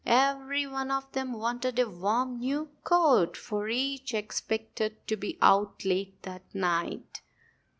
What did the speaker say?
Every one of them wanted a warm new overcoat, for each expected to be out late that night.